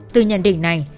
từ nhận định này